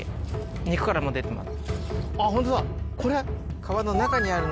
肉からも出てます。